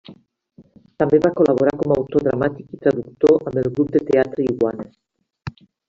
També va col·laborar com a autor dramàtic i traductor amb el grup de teatre Iguana.